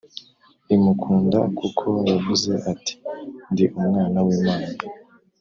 imukunda kuko yavuze ati Ndi Umwana w Imana